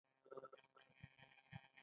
د ستوني د وچوالي لپاره د څه شي اوبه وڅښم؟